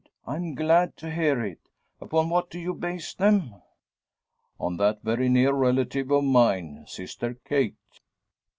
I'm glad to hear it. Upon what do you base them?" "On that very near relative of mine Sister Kate.